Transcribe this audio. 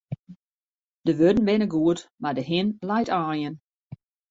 De wurden binne goed, mar de hin leit aaien.